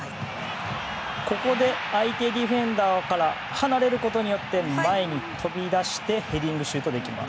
ここで相手ディフェンダーから離れることによって前に飛び出してヘディングシュートできます。